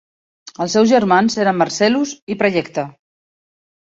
Els seus germans eren Marcellus i Praejecta.